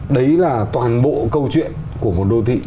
đấy là toàn bộ câu chuyện của một đô thị